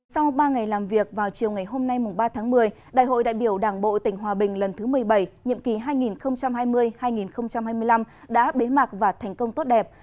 sau ba ngày làm việc vào chiều ngày hôm nay ba tháng một mươi đại hội đại biểu đảng bộ tỉnh hòa bình lần thứ một mươi bảy nhiệm kỳ hai nghìn hai mươi hai nghìn hai mươi năm đã bế mạc và thành công tốt đẹp